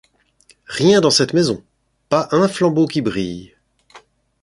Rien dans cette maison ! pas un flambeau qui brille !